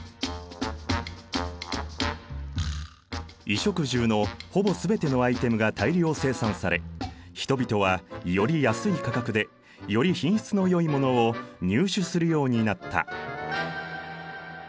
衣食住のほぼ全てのアイテムが大量生産され人々はより安い価格でより品質のよいものを入手するようになった。